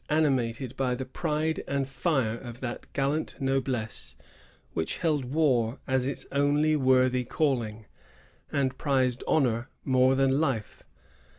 animated by the pride and fire of that gallant nollesu which held war as its only worthy calling, and prized honor more than life.